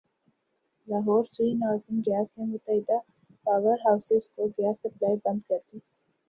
Lahore Sui Northern Gas نے متعدد power houses کو گیس سپلائی بند کر دی